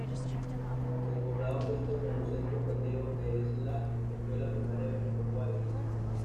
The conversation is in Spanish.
El poblado cuenta con un centro educativo que es la escuela primaria Benito Juarez.